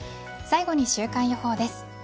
最後に週間予報です。